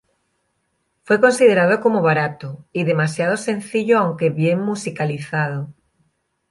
Fue considerado como "barato" y demasiado sencillo aunque bien musicalizado.